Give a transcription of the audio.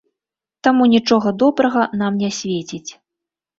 Таму нічога добрага нам не свеціць.